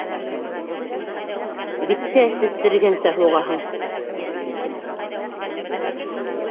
Битте әсеттергәнсе һуғаһың.